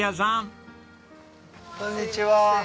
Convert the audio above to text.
こんにちは。